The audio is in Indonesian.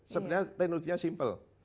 sebenarnya teknologinya simple